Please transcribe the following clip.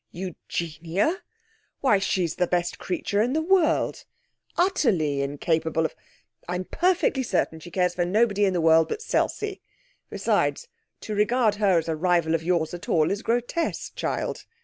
'Eugenia! Why she's the best creature in the world utterly incapable of I'm perfectly certain she cares for nobody in the world but Selsey. Besides, to regard her as a rival of yours at all is grotesque, child.'